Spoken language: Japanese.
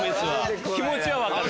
気持ちは分かる。